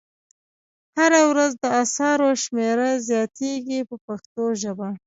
هره ورځ د اثارو شمېره زیاتیږي په پښتو ژبه.